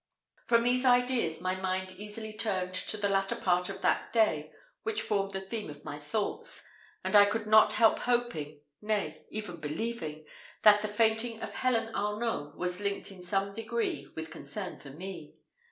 From these ideas, my mind easily turned to the latter part of that day which formed the theme of my thoughts, and I could not help hoping, nay, even believing, that the fainting of Helen Arnault was linked in some degree with concern for me.